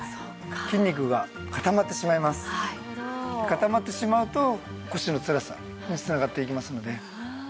固まってしまうと腰のつらさに繋がっていきますので。